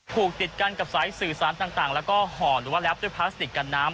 ผูกติดกันกับสายสื่อสารต่างแล้วก็ห่อหรือว่าแรปด้วยพลาสติกกันน้ำ